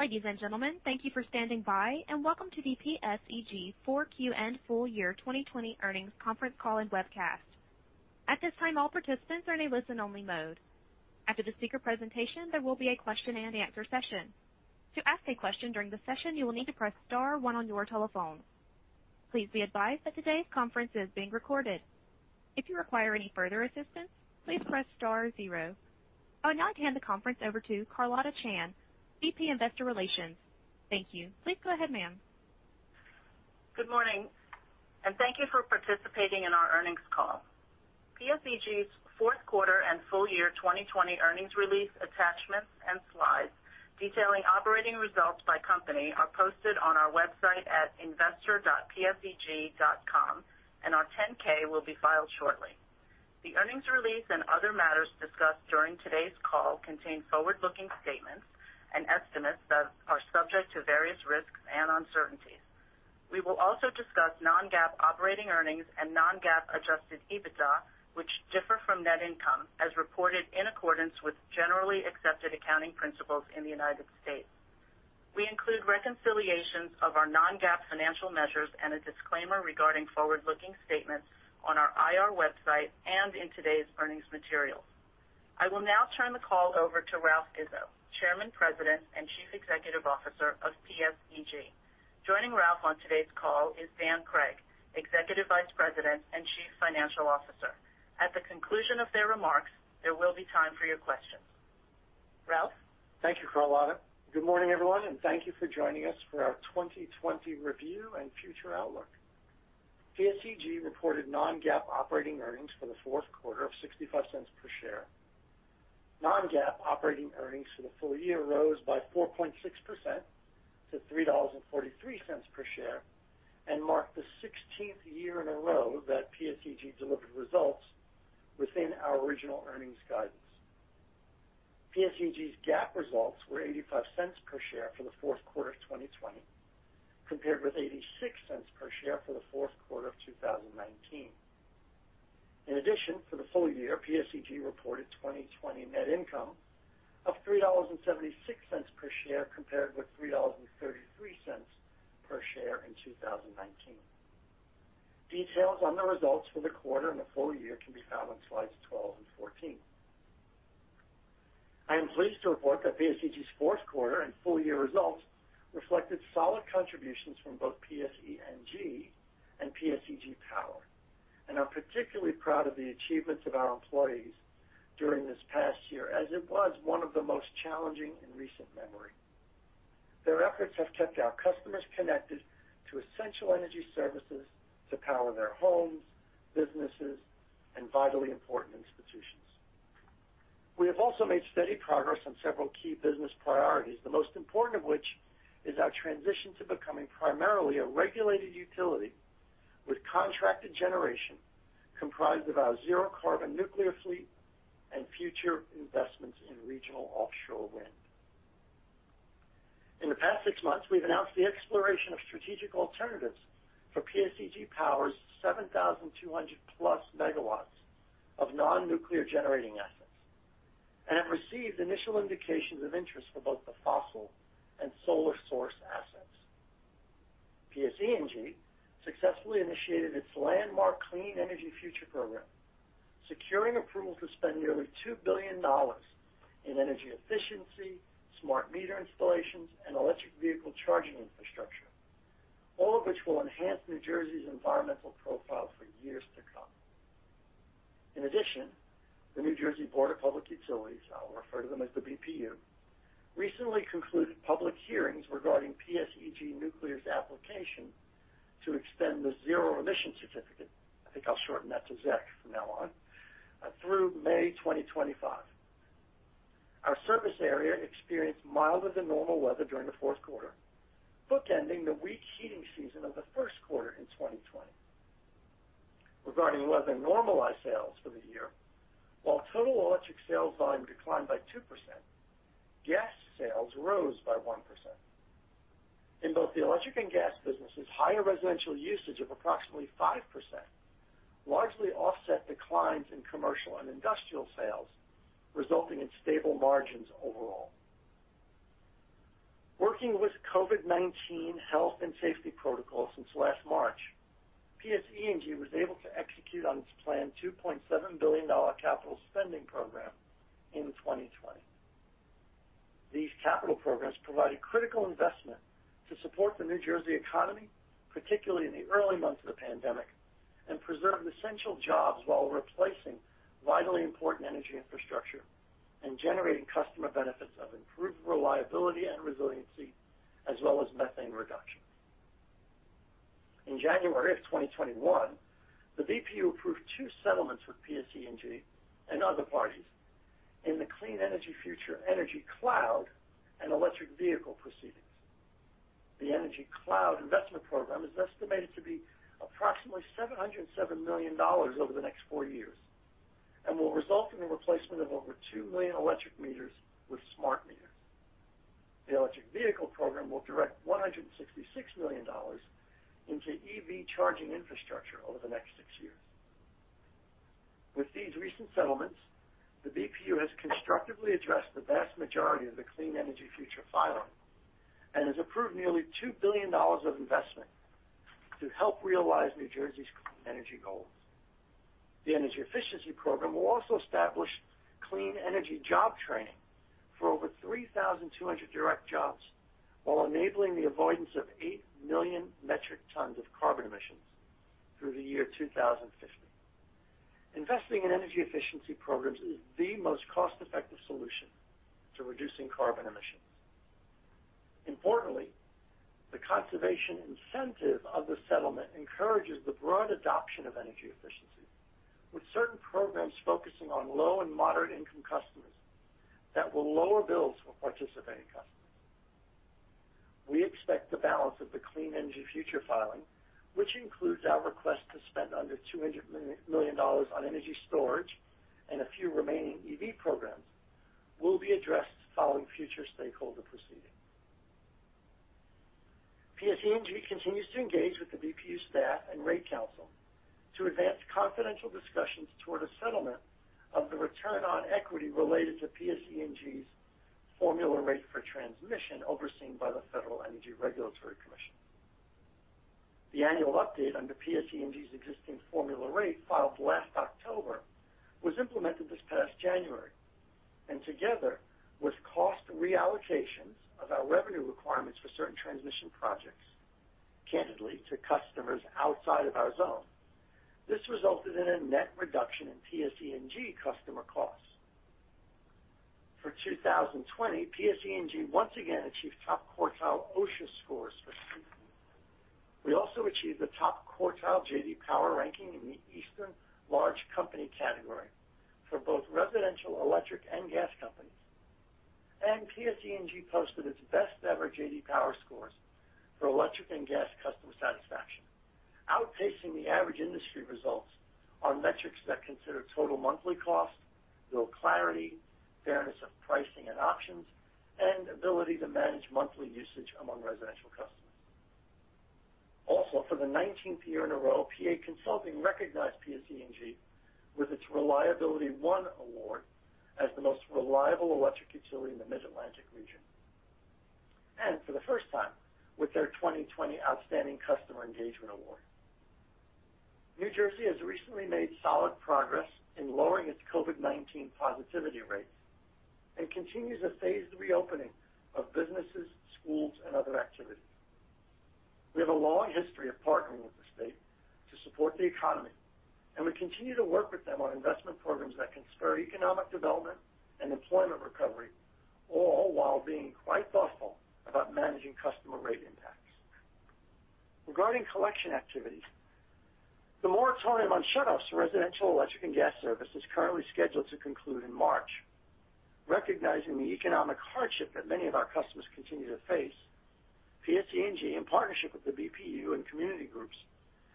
Ladies and gentlemen, thank you for standing by, and welcome to the PSEG 4Q and full year 2020 earnings conference call and webcast. At this time, all participants are in listen-only mode. After the speaker presentation, there will be a question and answer session. To ask a question during the session, you will need to press star one on your telephone. Please be advised that today's conference is being recorded. I you require any further assistance, please press star zero. I would now hand the conference over to Carlotta Chan, VP Investor Relations. Thank you. Please go ahead, ma'am. Good morning, and thank you for participating in our earnings call. PSEG's fourth quarter and full year 2020 earnings release attachments and slides detailing operating results by company are posted on our website at investor.pseg.com. Our Form 10-K will be filed shortly. The earnings release and other matters discussed during today's call contain forward-looking statements and estimates that are subject to various risks and uncertainties. We will also discuss non-GAAP operating earnings and non-GAAP adjusted EBITDA, which differ from net income as reported in accordance with generally accepted accounting principles in the United States. We include reconciliations of our non-GAAP financial measures and a disclaimer regarding forward-looking statements on our IR website and in today's earnings materials. I will now turn the call over to Ralph Izzo, Chairman, President, and Chief Executive Officer of PSEG. Joining Ralph on today's call is Dan Cregg, Executive Vice President and Chief Financial Officer. At the conclusion of their remarks, there will be time for your questions. Ralph? Thank you, Carlotta. Good morning, everyone, and thank you for joining us for our 2020 review and future outlook. PSEG reported non-GAAP operating earnings for the fourth quarter of $0.65 per share. Non-GAAP operating earnings for the full year rose by 4.6% to $3.43 per share and marked the 16th year in a row that PSEG delivered results within our original earnings guidance. PSEG's GAAP results were $0.85 per share for the fourth quarter of 2020, compared with $0.86 per share for the fourth quarter of 2019. In addition, for the full year, PSEG reported 2020 net income of $3.76 per share compared with $3.33 per share in 2019. Details on the results for the quarter and the full year can be found on slides 12 and 14. I am pleased to report that PSEG's fourth quarter and full-year results reflected solid contributions from both PSEG and PSEG Power, and I'm particularly proud of the achievements of our employees during this past year as it was one of the most challenging in recent memory. Their efforts have kept our customers connected to essential energy services to power their homes, businesses, and vitally important institutions. We have also made steady progress on several key business priorities, the most important of which is our transition to becoming primarily a regulated utility with contracted generation comprised of our zero-carbon nuclear fleet and future investments in regional offshore wind. In the past six months, we've announced the exploration of strategic alternatives for PSEG Power's 7,200+ MW of non-nuclear generating assets and have received initial indications of interest for both the fossil and Solar Source assets. PSEG successfully initiated its landmark Clean Energy Future program, securing approval to spend nearly $2 billion in energy efficiency, smart meter installations, and electric vehicle charging infrastructure, all of which will enhance New Jersey's environmental profile for years to come. The New Jersey Board of Public Utilities, I'll refer to them as the BPU, recently concluded public hearings regarding PSEG Nuclear's application to extend the zero-emission certificate, I think I'll shorten that to ZEC from now on, through May 2025. Our service area experienced milder than normal weather during the fourth quarter, bookending the weak heating season of the first quarter in 2020. Regarding weather-normalized sales for the year, while total electric sales volume declined by 2%, gas sales rose by 1%. In both the electric and gas businesses, higher residential usage of approximately 5% largely offset declines in commercial and industrial sales, resulting in stable margins overall. Working with COVID-19 health and safety protocols since last March, PSEG was able to execute on its planned $2.7 billion capital spending program in 2020. These capital programs provided critical investment to support the New Jersey economy, particularly in the early months of the pandemic, and preserved essential jobs while replacing vitally important energy infrastructure and generating customer benefits of improved reliability and resiliency, as well as methane reduction. In January of 2021, the BPU approved two settlements with PSEG and other parties in the Clean Energy Future Energy Cloud and electric vehicle proceedings. The Energy Cloud investment program is estimated to be approximately $707 million over the next four years and will result in the replacement of over 2 million electric meters with smart meters. The electric vehicle program will direct $166 million into EV charging infrastructure over the next six years. With these recent settlements, the BPU has constructively addressed the vast majority of the Clean Energy Future filing and has approved nearly $2 billion of investment to help realize New Jersey's clean energy goals. The energy efficiency program will also establish clean energy job training for over 3,200 direct jobs while enabling the avoidance of 8 million metric tons of carbon emissions through the year 2050. Investing in energy efficiency programs is the most cost-effective solution to reducing carbon emissions. Importantly, the conservation incentive of the settlement encourages the broad adoption of energy efficiency, with certain programs focusing on low and moderate-income customers that will lower bills for participating customers. We expect the balance of the Clean Energy Future filing, which includes our request to spend under $200 million on energy storage and a few remaining EV programs, will be addressed following future stakeholder proceedings. PSEG continues to engage with the BPU staff and Rate Counsel to advance confidential discussions toward a settlement of the return on equity related to PSEG's formula rate for transmission overseen by the Federal Energy Regulatory Commission. The annual update under PSEG's existing formula rate, filed last October, was implemented this past January, and together with cost reallocations of our revenue requirements for certain transmission projects, candidly, to customers outside of our zone. This resulted in a net reduction in PSEG customer costs. For 2020, PSEG once again achieved top-quartile OSHA scores for safety. We also achieved a top-quartile J.D. Power ranking in the Eastern large company category for both residential electric and gas companies, and PSEG posted its best-ever J.D. Power scores for electric and gas customer satisfaction, outpacing the average industry results on metrics that consider total monthly cost, bill clarity, fairness of pricing and options, and ability to manage monthly usage among residential customers. Also, for the 19th year in a row, PA Consulting recognized PSEG with its ReliabilityOne Award as the most reliable electric utility in the Mid-Atlantic region. For the first time, with their 2020 Outstanding Customer Engagement Award. New Jersey has recently made solid progress in lowering its COVID-19 positivity rates and continues a phased reopening of businesses, schools, and other activities. We have a long history of partnering with the state to support the economy, and we continue to work with them on investment programs that can spur economic development and employment recovery, all while being quite thoughtful about managing customer rate impacts. Regarding collection activities, the moratorium on shutoffs for residential electric and gas service is currently scheduled to conclude in March. Recognizing the economic hardship that many of our customers continue to face, PSEG, in partnership with the BPU and community groups,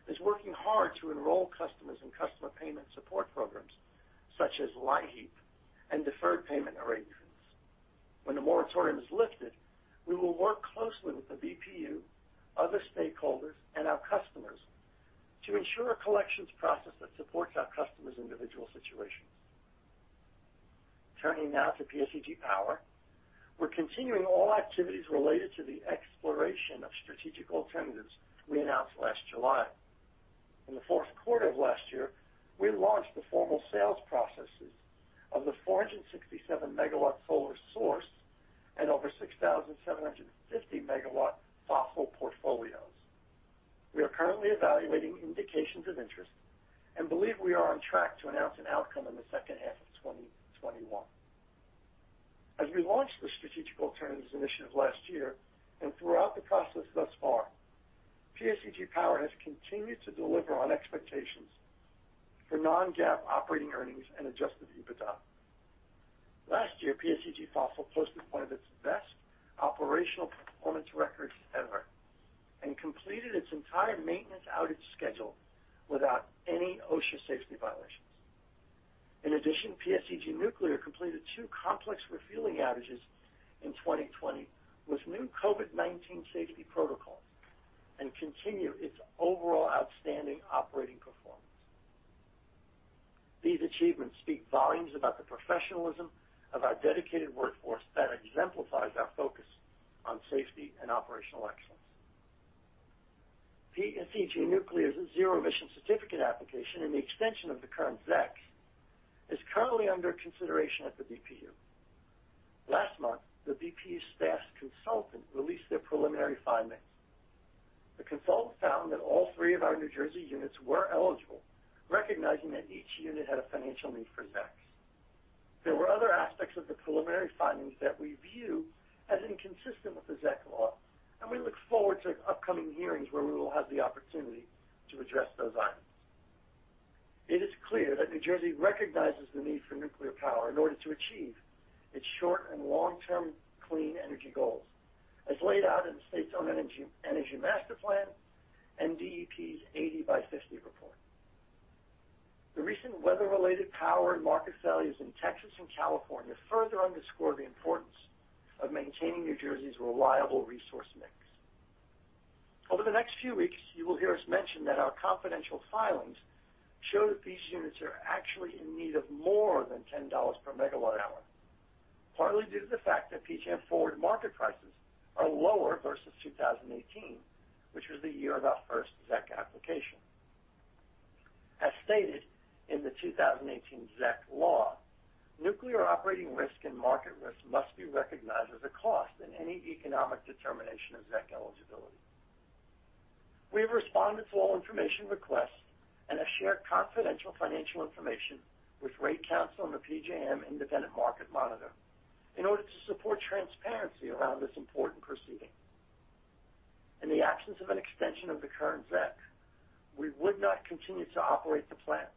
is working hard to enroll customers in customer payment support programs such as LIHEAP and deferred payment arrangements. When the moratorium is lifted, we will work closely with the BPU, other stakeholders, and our customers to ensure a collections process that supports our customers' individual situations. Turning now to PSEG Power, we're continuing all activities related to the exploration of strategic alternatives we announced last July. In the fourth quarter of last year, we launched the formal sales processes of the 467 MW Solar Source and over 6,750 MW Fossil portfolios. We are currently evaluating indications of interest and believe we are on track to announce an outcome in the second half of 2021. As we launched the strategic alternatives initiative last year, and throughout the process thus far, PSEG Power has continued to deliver on expectations for non-GAAP operating earnings and adjusted EBITDA. Last year, PSEG Fossil posted one of its best operational performance records ever and completed its entire maintenance outage schedule without any OSHA safety violations. In addition, PSEG Nuclear completed two complex refueling outages in 2020 with new COVID-19 safety protocols and continued its overall outstanding operating performance. These achievements speak volumes about the professionalism of our dedicated workforce that exemplifies our focus on safety and operational excellence. PSEG Nuclear's zero emission certificate application and the extension of the current ZEC is currently under consideration at the BPU. Last month, the BPU staff's consultant released their preliminary findings. The consultant found that all three of our New Jersey units were eligible, recognizing that each unit had a financial need for ZECs. There were other aspects of the preliminary findings that we view as inconsistent with the ZEC law, and we look forward to upcoming hearings where we will have the opportunity to address those items. It is clear that New Jersey recognizes the need for nuclear power in order to achieve its short- and long-term clean energy goals, as laid out in the state's own Energy Master Plan and DEP's 80x50 Report. The recent weather-related power and market failures in Texas and California further underscore the importance of maintaining New Jersey's reliable resource mix. Over the next few weeks, you will hear us mention that our confidential filings show that these units are actually in need of more than $10 per megawatt hour, partly due to the fact that PJM forward market prices are lower versus 2018, which was the year of our first ZEC application. As stated in the 2018 ZEC law, nuclear operating risk and market risk must be recognized as a cost in any economic determination of ZEC eligibility. We have responded to all information requests and have shared confidential financial information with rate counsel and the PJM Independent Market Monitor in order to support transparency around this important proceeding. In the absence of an extension of the current ZEC, we would not continue to operate the plants.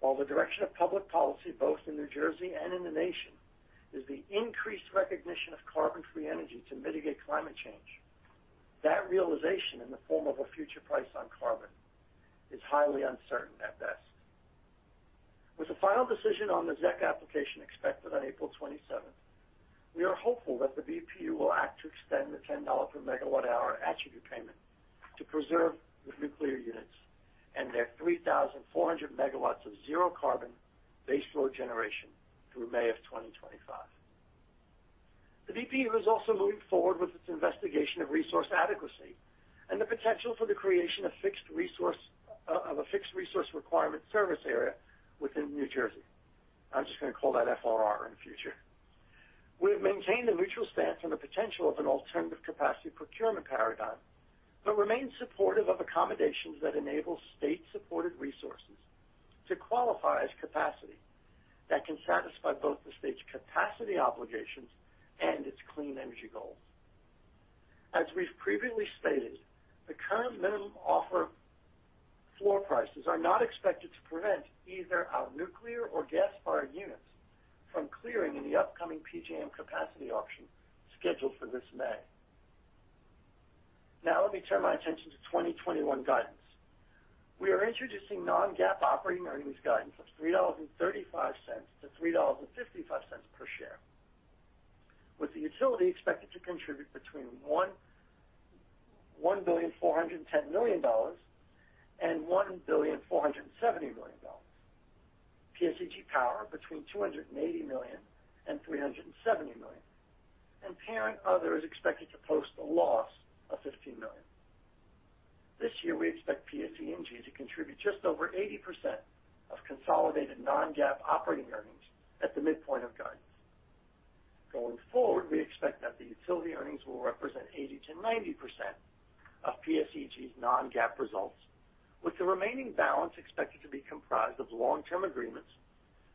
While the direction of public policy, both in New Jersey and in the nation, is the increased recognition of carbon-free energy to mitigate climate change. That realization in the form of a future price on carbon is highly uncertain at best. With a final decision on the ZEC application expected on April 27th, we are hopeful that the BPU will act to extend the $10 per megawatt hour attribute payment to preserve the nuclear units and their 3,400 MW of zero carbon base load generation through May of 2025. The BPU is also moving forward with its investigation of resource adequacy and the potential for the creation of a Fixed Resource Requirement service area within New Jersey. I'm just going to call that FRR in future. We have maintained a mutual stance on the potential of an alternative capacity procurement paradigm, but remain supportive of accommodations that enable state-supported resources to qualify as capacity that can satisfy both the state's capacity obligations and its clean energy goals. As we've previously stated, the current minimum offer floor prices are not expected to prevent either our nuclear or gas-fired units from clearing in the upcoming PJM capacity auction scheduled for this May. Let me turn my attention to 2021 guidance. We are introducing non-GAAP operating earnings guidance of $3.35-$3.55 per share, with the utility expected to contribute between $1,410,000,000 and $1,470,000,000. PSEG Power between $280 million and $370 million. Parent other is expected to post a loss of $15 million. This year, we expect PSEG to contribute just over 80% of consolidated non-GAAP operating earnings at the midpoint of guidance. Going forward, we expect that the utility earnings will represent 80%-90% of PSEG's non-GAAP results, with the remaining balance expected to be comprised of long-term agreements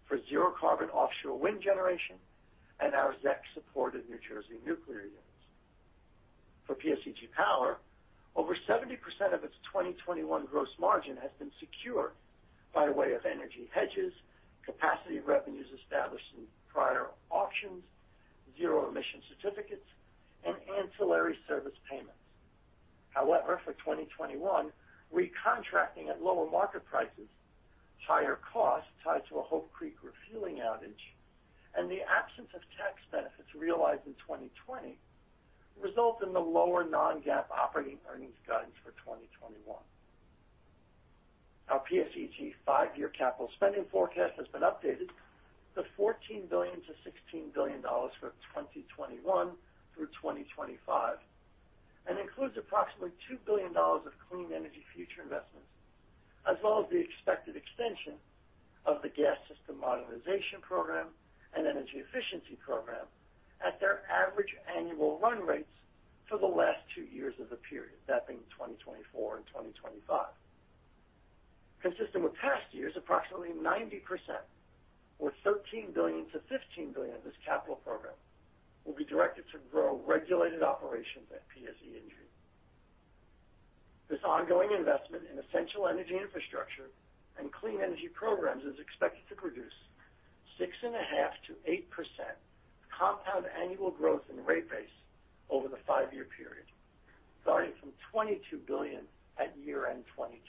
for zero carbon offshore wind generation and our ZEC-supported New Jersey nuclear units. For PSEG Power, over 70% of its 2021 gross margin has been secured by way of energy hedges, capacity revenues established in prior auctions, zero emission certificates, and ancillary service payments. For 2021, recontracting at lower market prices, higher costs tied to a Hope Creek refueling outage, and the absence of tax benefits realized in 2020 result in the lower non-GAAP operating earnings guidance for 2021. Our PSEG five-year capital spending forecast has been updated to $14 billion-$16 billion for 2021 through 2025, and includes approximately $2 billion of Clean Energy Future investments, as well as the expected extension of the Gas System Modernization Program and energy efficiency program at their average annual run rates for the last two years of the period, that being 2024 and 2025. Consistent with past years, approximately 90% or $13 billion-$15 billion of this capital program will be directed to grow regulated operations at PSEG. This ongoing investment in essential energy infrastructure and clean energy programs is expected to produce 6.5%-8% compound annual growth in rate base over the five-year period, starting from $22 billion at year-end 2020.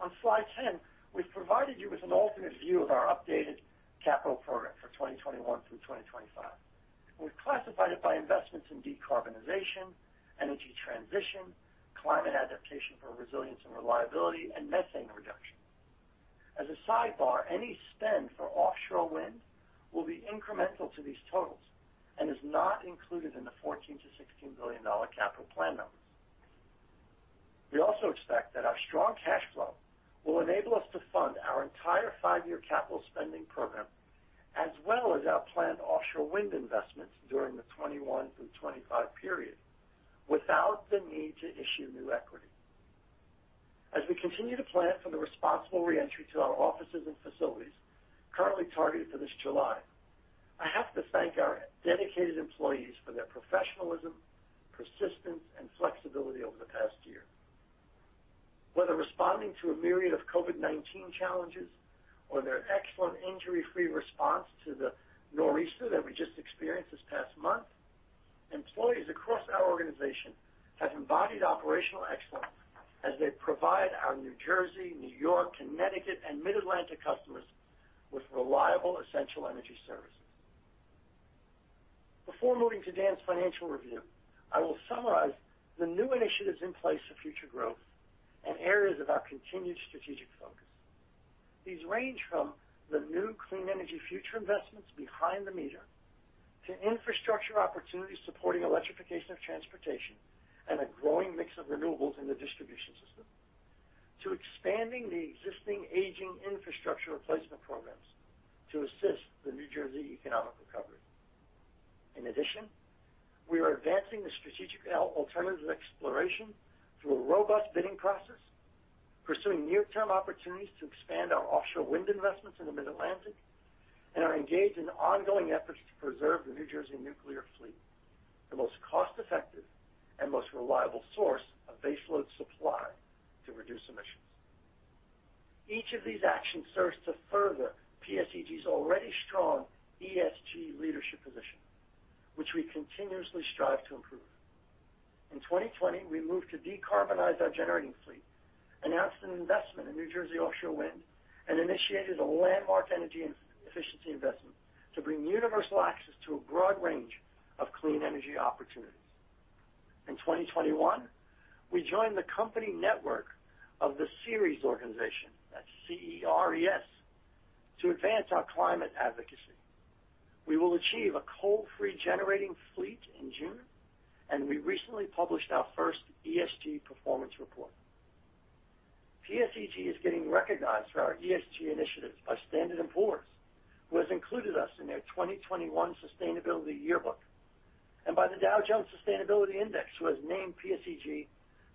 On slide 10, we've provided you with an alternate view of our updated capital program for 2021 through 2025. We've classified it by investments in decarbonization, energy transition, climate adaptation for resilience and reliability, and methane reduction. As a sidebar, any spend for offshore wind will be incremental to these totals and is not included in the $14 billion-$16 billion capital plan numbers. We also expect that our strong cash flow will enable us to fund our entire five-year capital spending program, as well as our planned offshore wind investments during the 2021 through 2025 period without the need to issue new equity. As we continue to plan for the responsible reentry to our offices and facilities currently targeted for this July, I have to thank our dedicated employees for their professionalism, persistence, and flexibility over the past year. Whether responding to a myriad of COVID-19 challenges or their excellent injury-free response to the nor'easter that we just experienced this past month, employees across our organization have embodied operational excellence as they provide our New Jersey, New York, Connecticut, and Mid-Atlantic customers with reliable, essential energy services. Before moving to Dan's financial review, I will summarize the new initiatives in place for future growth and areas of our continued strategic focus. These range from the new Clean Energy Future investments behind the meter to infrastructure opportunities supporting electrification of transportation and a growing mix of renewables in the distribution system, to expanding the existing aging infrastructure replacement programs to assist the New Jersey economic recovery. We are advancing the strategic alternative exploration through a robust bidding process, pursuing near-term opportunities to expand our offshore wind investments in the Mid-Atlantic, and are engaged in ongoing efforts to preserve the New Jersey nuclear fleet, the most cost-effective and most reliable source of baseload supply to reduce emissions. Each of these actions serves to further PSEG's already strong ESG leadership position, which we continuously strive to improve. In 2020, we moved to decarbonize our generating fleet, announced an investment in New Jersey Offshore Wind, and initiated a landmark energy and efficiency investment to bring universal access to a broad range of clean energy opportunities. In 2021, we joined the company network of the Ceres organization, that's C-E-R-E-S, to advance our climate advocacy. We will achieve a coal-free generating fleet in June, we recently published our first ESG performance report. PSEG is getting recognized for our ESG initiatives by Standard & Poor's, who has included us in their 2021 Sustainability Yearbook. By the Dow Jones Sustainability Index, who has named PSEG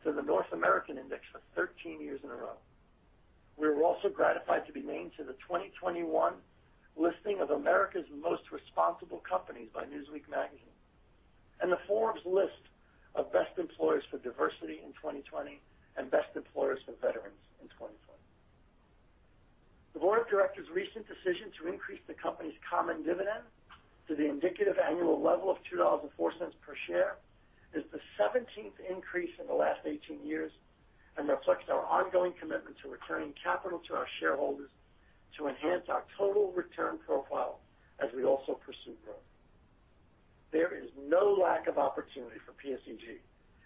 to the North American index for 13 years in a row. We were also gratified to be named to the 2021 listing of America's Most Responsible Companies by Newsweek magazine and the Forbes list of Best Employers for Diversity in 2020 and Best Employers for Veterans in 2020. The board of directors' recent decision to increase the company's common dividend to the indicative annual level of $2.04 per share is the 17th increase in the last 18 years and reflects our ongoing commitment to returning capital to our shareholders to enhance our total return profile as we also pursue growth. There is no lack of opportunity for PSEG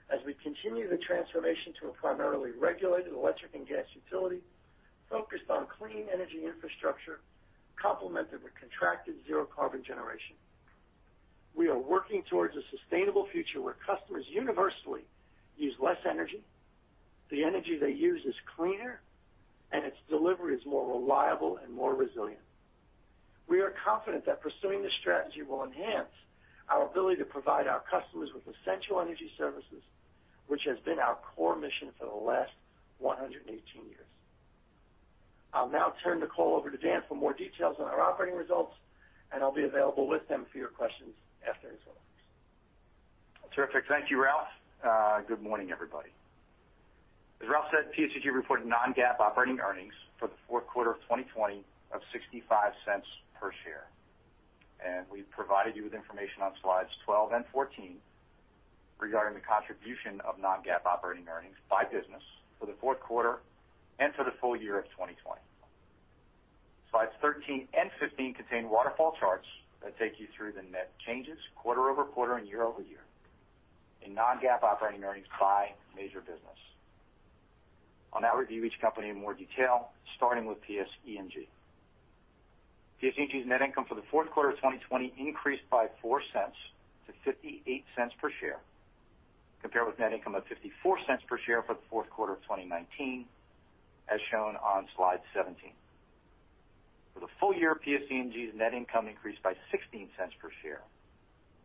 as we continue the transformation to a primarily regulated electric and gas utility focused on clean energy infrastructure complemented with contracted zero-carbon generation. We are working towards a sustainable future where customers universally use less energy, the energy they use is cleaner, and its delivery is more reliable and more resilient. We are confident that pursuing this strategy will enhance our ability to provide our customers with essential energy services, which has been our core mission for the last 118 years. I'll now turn the call over to Dan for more details on our operating results, and I'll be available with him for your questions after his remarks. Terrific. Thank you, Ralph. Good morning, everybody. As Ralph said, PSEG reported non-GAAP operating earnings for the fourth quarter of 2020 of $0.65 per share. We provided you with information on slides 12 and 14 regarding the contribution of non-GAAP operating earnings by business for the fourth quarter and for the full year of 2020. Slides 13 and 15 contain waterfall charts that take you through the net changes quarter-over-quarter and year-over-year in non-GAAP operating earnings by major business. I'll now review each company in more detail, starting with PSEG. PSEG's net income for the fourth quarter of 2020 increased by $0.04 to $0.58 per share, compared with net income of $0.54 per share for the fourth quarter of 2019, as shown on slide 17. For the full year, PSEG's net income increased by $0.16 per share,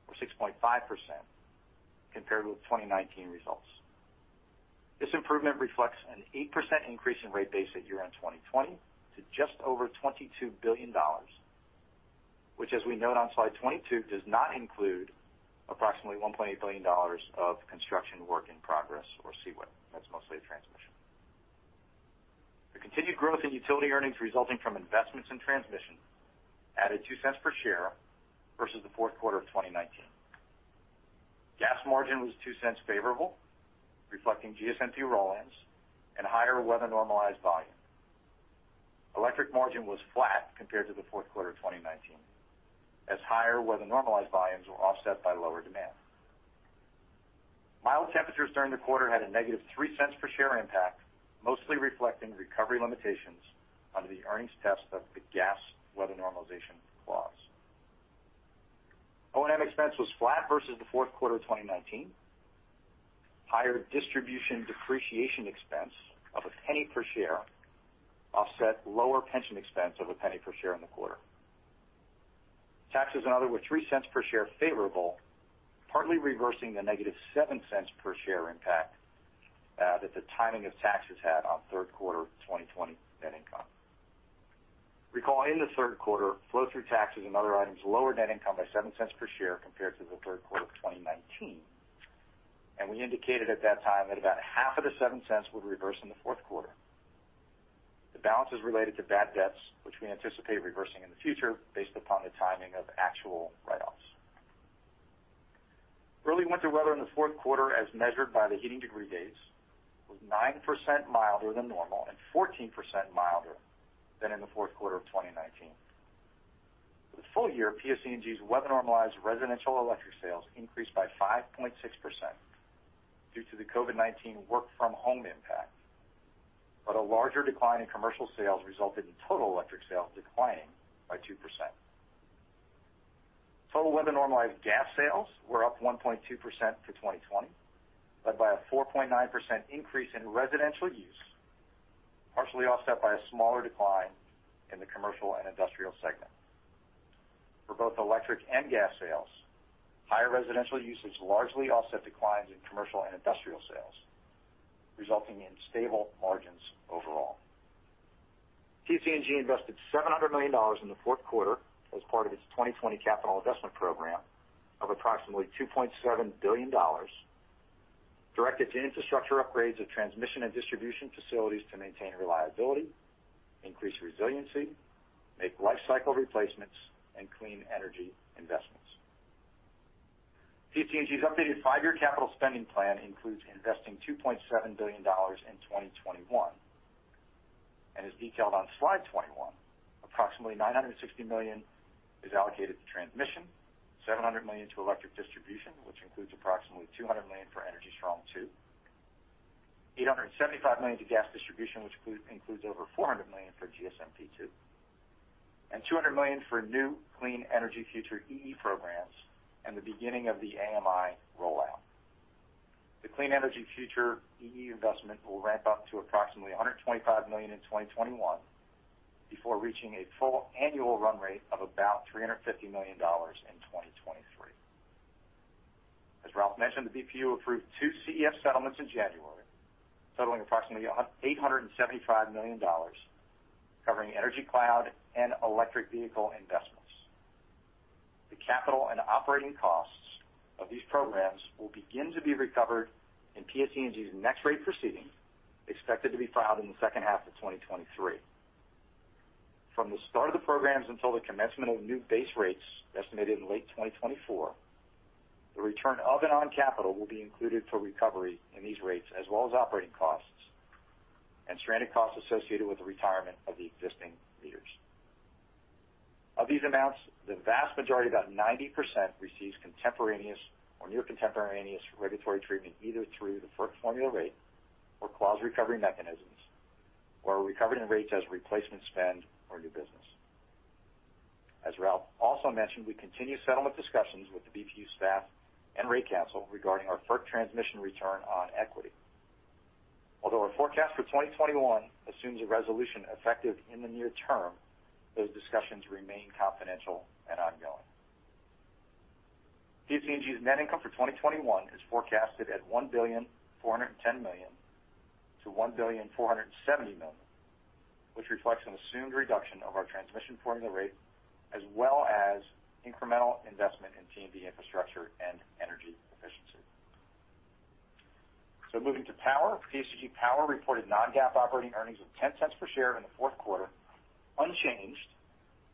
or 6.5%, compared with 2019 results. This improvement reflects an 8% increase in rate base at year-end 2020 to just over $22 billion, which, as we note on slide 22, does not include approximately $1.8 billion of Construction Work in Progress or CWIP. That's mostly transmission. The continued growth in utility earnings resulting from investments in transmission added $0.02 per share versus the fourth quarter of 2019. Gas margin was $0.02 favorable, reflecting GSMP roll-ins and higher weather normalized volume. Electric margin was flat compared to the fourth quarter of 2019, as higher weather normalized volumes were offset by lower demand. Mild temperatures during the quarter had a negative $0.03 per share impact, mostly reflecting recovery limitations under the earnings test of the gas weather normalization clause. O&M expense was flat versus the fourth quarter of 2019. Higher distribution depreciation expense of $0.01 per share offset lower pension expense of $0.01 per share in the quarter. Taxes and other were $0.03 per share favorable, partly reversing the negative $0.07 per share impact that the timing of taxes had on third quarter 2020 net income. Recall in the third quarter, flow-through taxes and other items lowered net income by $0.07 per share compared to the third quarter of 2019. We indicated at that time that about half of the $0.07 would reverse in the fourth quarter. The balance is related to bad debts, which we anticipate reversing in the future based upon the timing of actual write-offs. Early winter weather in the fourth quarter as measured by the heating degree days, was 9% milder than normal and 14% milder than in the fourth quarter of 2019. For the full year, PSEG's weather normalized residential electric sales increased by 5.6% due to the COVID-19 work-from-home impact. A larger decline in commercial sales resulted in total electric sales declining by 2%. Total weather normalized gas sales were up 1.2% for 2020, led by a 4.9% increase in residential use, partially offset by a smaller decline in the commercial and industrial segment. For both electric and gas sales, higher residential usage largely offset declines in commercial and industrial sales, resulting in stable margins overall. PSEG invested $700 million in the fourth quarter as part of its 2020 capital investment program of approximately $2.7 billion, directed to infrastructure upgrades of transmission and distribution facilities to maintain reliability, increase resiliency, make life cycle replacements, and clean energy investments. PSEG's updated five-year capital spending plan includes investing $2.7 billion in 2021 and is detailed on slide 21. Approximately $960 million is allocated to transmission, $700 million to electric distribution, which includes approximately $200 million for Energy Strong II. $875 million to gas distribution, which includes over $400 million for GSMP II, and $200 million for new Clean Energy Future EE programs, and the beginning of the AMI rollout. The Clean Energy Future EE investment will ramp up to approximately $125 million in 2021 before reaching a full annual run rate of about $350 million in 2023. As Ralph mentioned, the BPU approved two CEF settlements in January, totaling approximately $875 million, covering Energy Cloud and electric vehicle investments. The capital and operating costs of these programs will begin to be recovered in PSEG's next rate proceeding, expected to be filed in the second half of 2023. From the start of the programs until the commencement of new base rates, estimated in late 2024, the return of and on capital will be included for recovery in these rates as well as operating costs and stranded costs associated with the retirement of the existing meters. Of these amounts, the vast majority, about 90%, receives contemporaneous or near contemporaneous regulatory treatment either through the FERC formula rate or clause recovery mechanisms, or are recovered in rates as replacement spend or new business. As Ralph also mentioned, we continue settlement discussions with the BPU staff and rate council regarding our FERC transmission return on equity. Although our forecast for 2021 assumes a resolution effective in the near term, those discussions remain confidential and ongoing. PSEG's net income for 2021 is forecasted at $1.41 billion-$1.47 billion, which reflects an assumed reduction of our transmission formula rate, as well as incremental investment in T&D infrastructure and energy efficiency. Moving to power. PSEG Power reported non-GAAP operating earnings of $0.10 per share in the fourth quarter, unchanged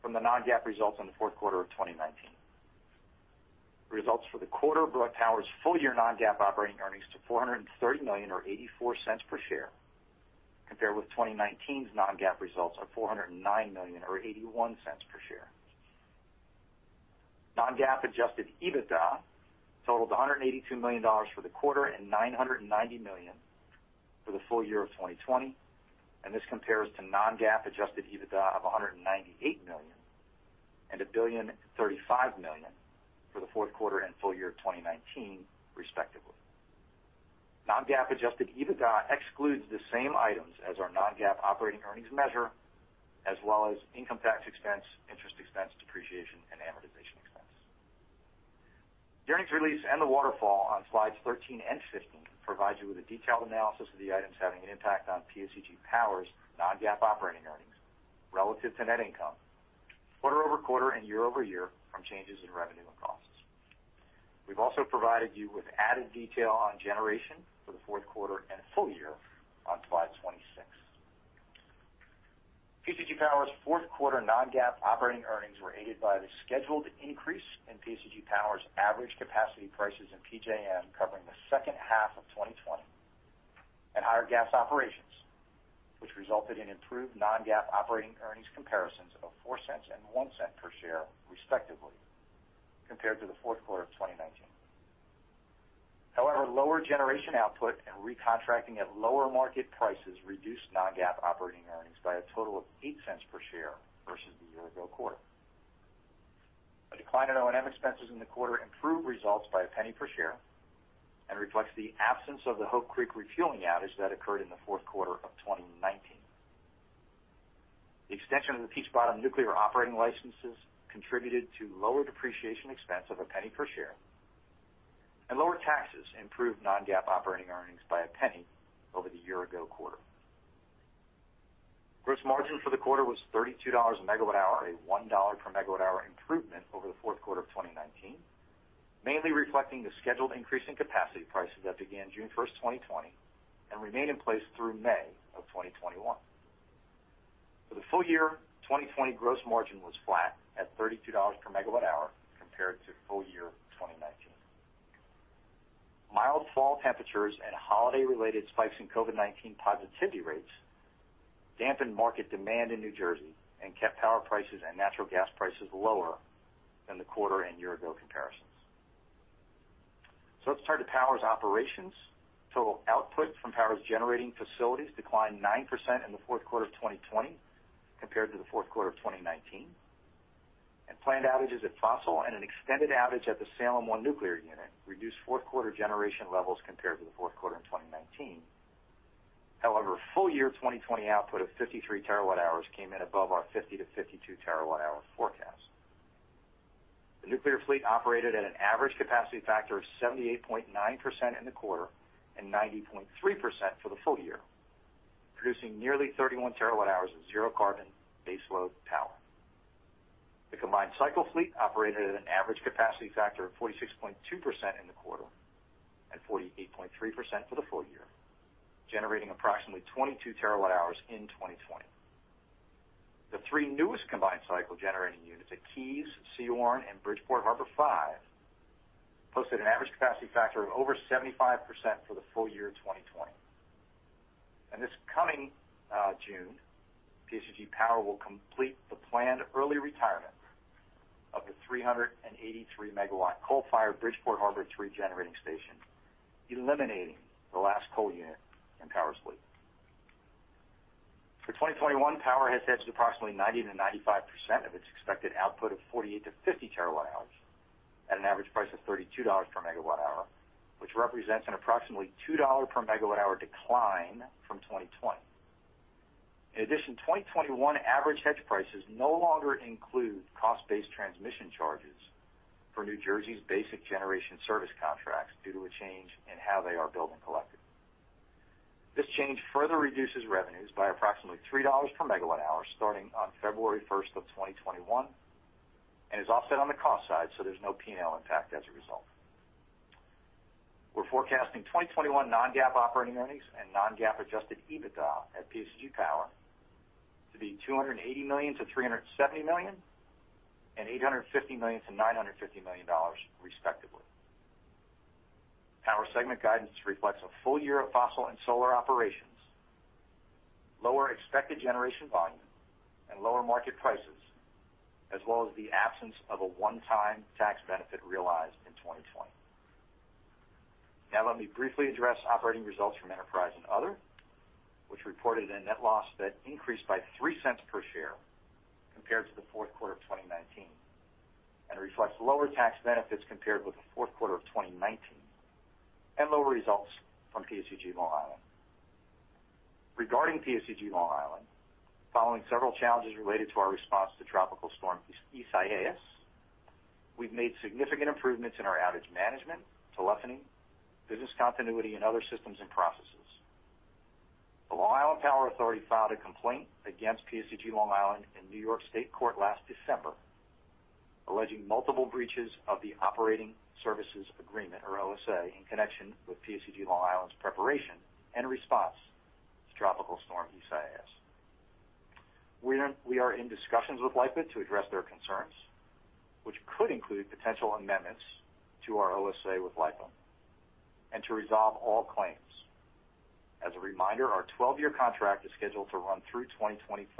from the non-GAAP results in the fourth quarter of 2019. Results for the quarter brought Power's full-year non-GAAP operating earnings to $430 million or $0.84 per share, compared with 2019's non-GAAP results of $409 million or $0.81 per share. Non-GAAP adjusted EBITDA totaled $182 million for the quarter and $990 million for the full year of 2020. This compares to non-GAAP adjusted EBITDA of $198 million and $1,035 million for the fourth quarter and full year of 2019, respectively. Non-GAAP adjusted EBITDA excludes the same items as our non-GAAP operating earnings measure, as well as income tax expense, interest expense, depreciation, and amortization expense. The earnings release and the waterfall on slides 13 and 15 provide you with a detailed analysis of the items having an impact on PSEG Power's non-GAAP operating earnings relative to net income quarter-over-quarter and year-over-year from changes in revenue and costs. We've also provided you with added detail on generation for the fourth quarter and full year on slide 26. PSEG Power's fourth quarter non-GAAP operating earnings were aided by the scheduled increase in PSEG Power's average capacity prices in PJM covering the second half of 2020 and higher gas operations, which resulted in improved non-GAAP operating earnings comparisons of $0.04 and $0.01 per share, respectively, compared to the fourth quarter of 2019. Lower generation output and recontracting at lower market prices reduced non-GAAP operating earnings by a total of $0.08 per share versus the year-ago quarter. A decline in O&M expenses in the quarter improved results by $0.01 per share and reflects the absence of the Hope Creek refueling outage that occurred in the fourth quarter of 2019. The extension of the Peach Bottom nuclear operating licenses contributed to lower depreciation expense of $0.01 per share, and lower taxes improved non-GAAP operating earnings by $0.01 over the year-ago quarter. Gross margin for the quarter was $32 a megawatt hour, a $1 per megawatt hour improvement over the fourth quarter of 2019, mainly reflecting the scheduled increase in capacity prices that began June 1st, 2020, and remain in place through May of 2021. The full year 2020 gross margin was flat at $32 per megawatt hour compared to full year 2019. Mild fall temperatures and holiday-related spikes in COVID-19 positivity rates dampened market demand in New Jersey and kept power prices and natural gas prices lower than the quarter and year-ago comparisons. Let's turn to Power's operations. Total output from Power's generating facilities declined 9% in the fourth quarter of 2020 compared to the fourth quarter of 2019, and planned outages at Fossil and an extended outage at the Salem One nuclear unit reduced fourth quarter generation levels compared to the fourth quarter in 2019. However, full year 2020 output of 53 TW hours came in above our 50 TWh-52 TWh forecast. The nuclear fleet operated at an average capacity factor of 78.9% in the quarter and 90.3% for the full year, producing nearly 31 TWh of zero-carbon baseload power. The combined cycle fleet operated at an average capacity factor of 46.2% in the quarter and 48.3% for the full year, generating approximately 22 TWh in 2020. The three newest combined cycle generating units at Kearny, Sewaren, and Bridgeport Harbor five posted an average capacity factor of over 75% for the full year 2020. This coming June, PSEG Power will complete the planned early retirement of the 383 MW coal-fired Bridgeport Harbor three generating station, eliminating the last coal unit in Power's fleet. For 2021, Power has hedged approximately 90%-95% of its expected output of 48 TWh-50 TWh at an average price of $32 per megawatt hour, which represents an approximately $2 per megawatt hour decline from 2020. In addition, 2021 average hedge prices no longer include cost-based transmission charges for New Jersey's Basic Generation Service contracts due to a change in how they are billed and collected. This change further reduces revenues by approximately $3 per megawatt hour starting on February 1st, 2021, and is offset on the cost side, so there's no P&L impact as a result. We're forecasting 2021 non-GAAP operating earnings and non-GAAP adjusted EBITDA at PSEG Power to be $280 million-$370 million and $850 million-$950 million respectively. Power segment guidance reflects a full year of fossil and solar operations, lower expected generation volume, and lower market prices, as well as the absence of a one-time tax benefit realized in 2020. Now let me briefly address operating results from Enterprise and Other, which reported a net loss that increased by $0.03 per share compared to the fourth quarter of 2019, and reflects lower tax benefits compared with the fourth quarter of 2019 and lower results from PSEG Long Island. Regarding PSEG Long Island, following several challenges related to our response to Tropical Storm Isaias, we've made significant improvements in our outage management, telephony, business continuity, and other systems and processes. The Long Island Power Authority filed a complaint against PSEG Long Island in New York State court last December, alleging multiple breaches of the operating services agreement, or OSA, in connection with PSEG Long Island's preparation and response to Tropical Storm Isaias. We are in discussions with LIPA to address their concerns, which could include potential amendments to our OSA with LIPA and to resolve all claims. As a reminder, our 12-year contract is scheduled to run through 2025.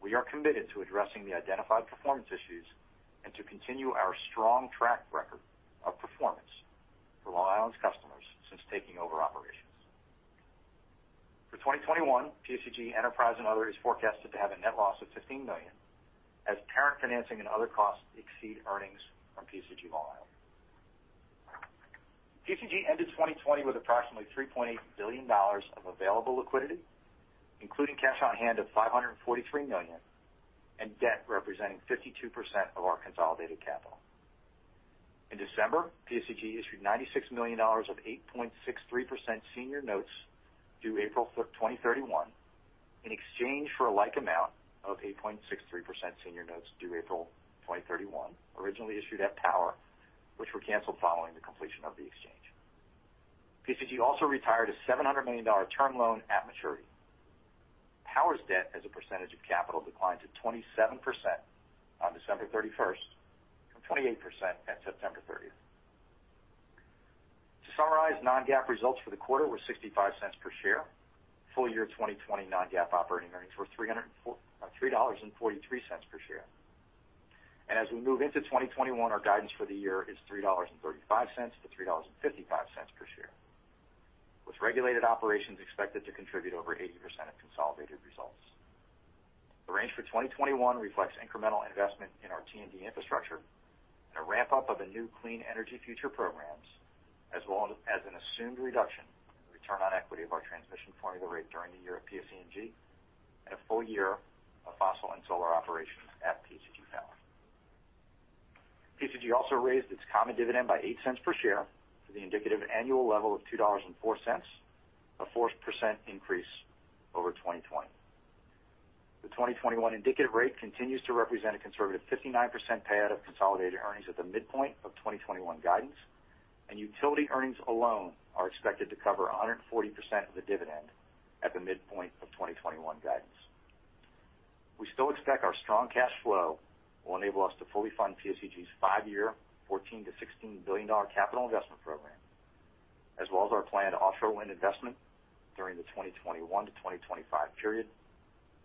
We are committed to addressing the identified performance issues and to continue our strong track record of performance for Long Island's customers since taking over operations. For 2021, PSEG Enterprise and Other is forecasted to have a net loss of $15 million as parent financing and other costs exceed earnings from PSEG Long Island. PSEG ended 2020 with approximately $3.8 billion of available liquidity, including cash on hand of $543 million, and debt representing 52% of our consolidated capital. In December, PSEG issued $96 million of 8.63% senior notes due April 5th, 2031, in exchange for a like amount of 8.63% senior notes due April 2031, originally issued at Power, which were canceled following the completion of the exchange. PSEG also retired a $700 million term loan at maturity. Power's debt as a percentage of capital declined to 27% on December 31st from 28% at September 30th. To summarize, non-GAAP results for the quarter were $0.65 per share. Full year 2020 non-GAAP operating earnings were $3.43 per share. As we move into 2021, our guidance for the year is $3.35-$3.55 per share, with regulated operations expected to contribute over 80% of consolidated results. The range for 2021 reflects incremental investment in our T&D infrastructure and a ramp-up of the new Clean Energy Future programs, as well as an assumed reduction in the return on equity of our transmission formula rate during the year of PSE&G, and a full year of fossil and solar operations at PSEG Power. PSEG also raised its common dividend by $0.08 per share to the indicative annual level of $2.04, a 4% increase over 2020. The 2021 indicative rate continues to represent a conservative 59% payout of consolidated earnings at the midpoint of 2021 guidance. Utility earnings alone are expected to cover 140% of the dividend at the midpoint of 2021 guidance. We still expect our strong cash flow will enable us to fully fund PSEG's five-year, $14 billion-$16 billion capital investment program, as well as our planned offshore wind investment during the 2021-2025 period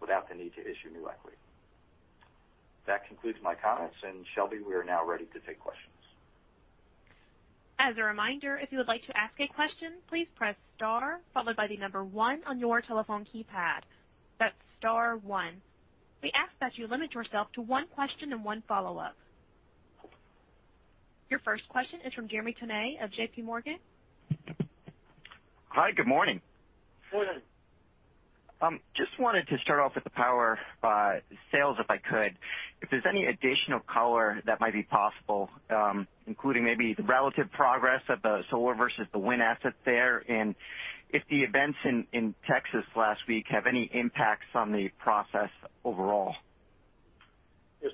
without the need to issue new equity. That concludes my comments. Shelby, we are now ready to take questions. As a reminder, if you would like to ask a question, please press star followed by the number one on your telephone keypad. That's star one. We ask that you limit yourself to one question and one follow-up. Your first question is from Jeremy Tonet of JPMorgan. Hi, good morning. Morning. Wanted to start off with the power sales, if I could. If there's any additional color that might be possible, including maybe the relative progress of the solar versus the wind assets there, and if the events in Texas last week have any impacts on the process overall. Yes.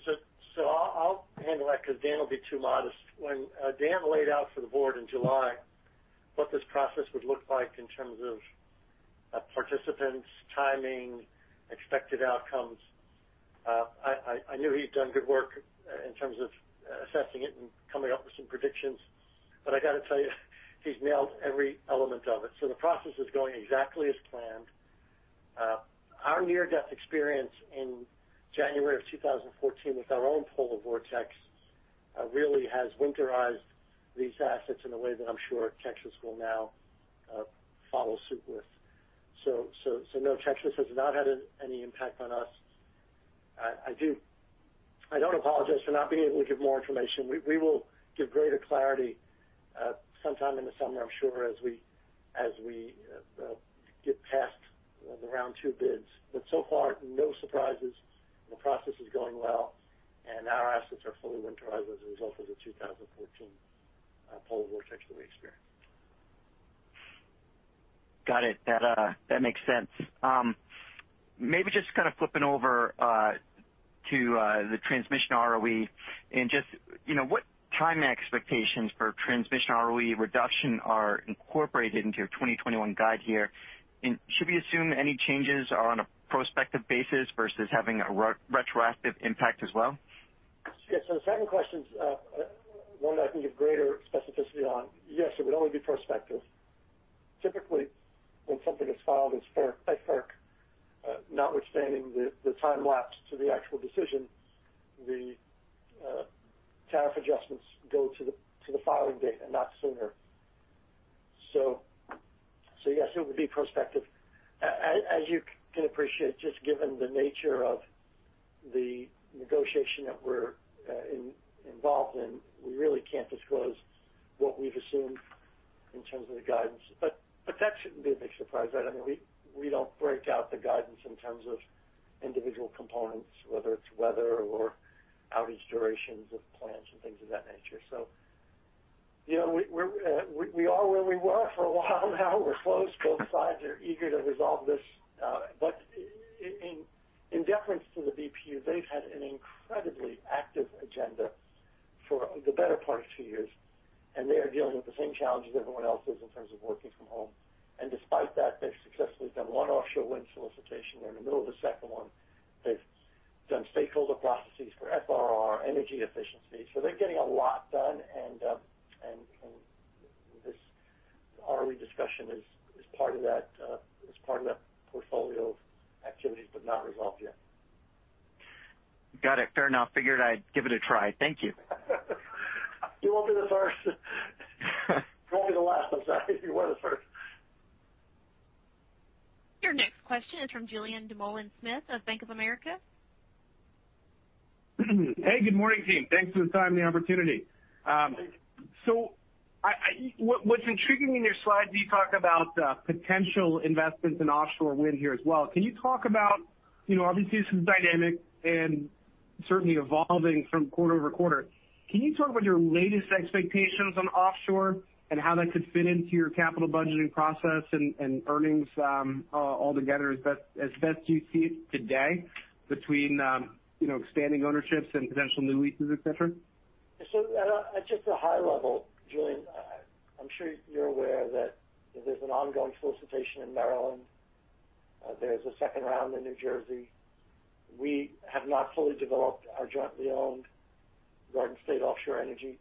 I'll handle that because Dan will be too modest. When Dan laid out for the board in July what this process would look like in terms of participants, timing, expected outcomes, I knew he'd done good work in terms of assessing it and coming up with some predictions, but I got to tell you, he's nailed every element of it. The process is going exactly as planned. Our near-death experience in January of 2014 with our own polar vortex really has winterized these assets in a way that I'm sure Texas will now follow suit with. No, Texas has not had any impact on us. I don't apologize for not being able to give more information. We will give greater clarity sometime in the summer, I'm sure, as we get past the round two bids. So far, no surprises. The process is going well, and our assets are fully winterized as a result of The 2014 Polar Vortex that we experienced. Got it. That makes sense. Maybe just kind of flipping over to the transmission ROE and just what time expectations for transmission ROE reduction are incorporated into your 2021 guide here? Should we assume any changes are on a prospective basis versus having a retroactive impact as well? Yes. The second question's one that I can give greater specificity on. Yes, it would only be prospective. Typically, when something is filed in FERC, notwithstanding the time lapse to the actual decision, the tariff adjustments go to the filing date and not sooner. Yes, it would be prospective. As you can appreciate, just given the nature of the negotiation that we're involved in, we really can't disclose what we've assumed in terms of the guidance. That shouldn't be a big surprise. We don't break out the guidance in terms of individual components, whether it's weather or outage durations of plants and things of that nature. We are where we were for a while now. We're close. Both sides are eager to resolve this. In deference to the BPU, they've had an incredibly active agenda for the better part of two years, and they are dealing with the same challenges everyone else is in terms of working from home. Despite that, they've successfully done one offshore wind solicitation. They're in the middle of a second one. They've done stakeholder processes for FRR energy efficiency. They're getting a lot done, and this ROE discussion is part of that portfolio of activities, but not resolved yet. Got it. Fair enough. Figured I'd give it a try. Thank you. You won't be the first. You won't be the last. I'm sorry. You were the first. Your next question is from Julien Dumoulin-Smith of Bank of America. Hey, good morning, team. Thanks for the time and the opportunity. What's intriguing in your slides, you talk about potential investments in offshore wind here as well. Obviously, this is dynamic and certainly evolving from quarter-over-quarter. Can you talk about your latest expectations on offshore and how that could fit into your capital budgeting process and earnings all together as best you see it today between expanding ownerships and potential new leases, et cetera? At just a high level, Julien, I'm sure you're aware that there's an ongoing solicitation in Maryland. There's a second round in New Jersey. We have not fully developed our jointly owned Garden State Offshore Energy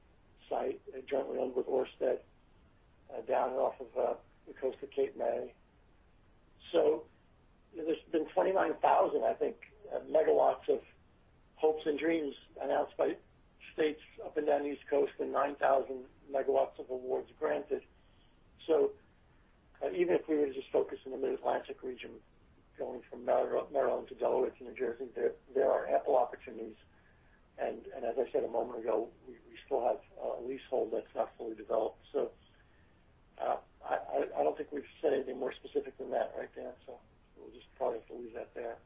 site, jointly owned with Ørsted, down off of the coast of Cape May. There's been 29,000, I think, megawatts of hopes and dreams announced by states up and down the East Coast and 9,000 MW of awards granted. Even if we were to just focus on the Mid-Atlantic region, going from Maryland to Delaware to New Jersey, there are ample opportunities. As I said a moment ago, we still have a leasehold that's not fully developed. I don't think we've said anything more specific than that, right, Dan? We'll just probably have to leave that there.